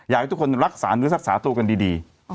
อยากให้ทุกคนรักษาเนื้อศักดิ์สาธารณ์ตัวกันดี